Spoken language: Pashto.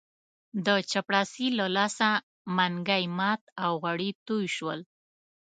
د چپړاسي له لاسه منګی مات او غوړي توی شول.